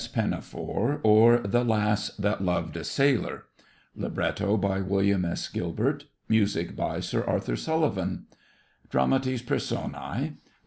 PINAFORE OR, THE LASS THAT LOVED A SAILOR Libretto by William S. Gilbert Music by Sir Arthur Sullivan DRAMATIS PERSONAE THE RT.